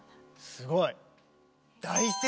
すごい！